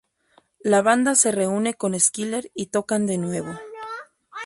La banda se reúne con Skyler y tocan de nuevo.